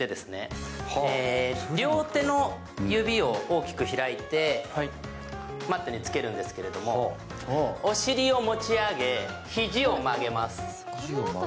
両手の指を大きく開いて、マットにつけるんですけれどもお尻を持ち上げ、肘を曲げます。